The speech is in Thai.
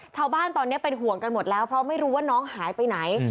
ชาวบ้านตอนนี้เป็นห่วงกันหมดแล้วเพราะไม่รู้ว่าน้องหายไปไหน